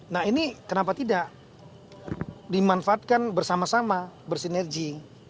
nah ini kenapa tidak dimanfaatkan bersama sama bersinergi